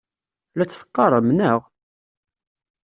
La tt-teqqarem, naɣ?